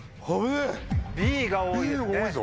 Ｂが多いですね。